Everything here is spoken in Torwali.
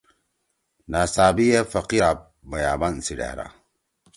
ناڅابی اے فقیر آپ بیابان سی ڈھأرا